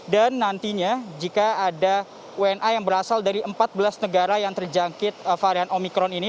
dan nantinya jika ada wni yang berasal dari empat belas negara yang terjangkit varian omikron ini